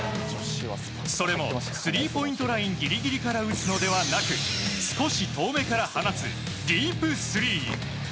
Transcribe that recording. それもスリーポイントラインギリギリから打つのではなく少し遠めから放つディープスリー。